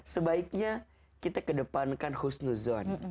sebaiknya kita kedepankan khusnuzan